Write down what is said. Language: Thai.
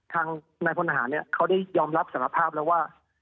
ทางนายพลทหารเนี่ยเขาได้ยอมรับสารภาพแล้วว่า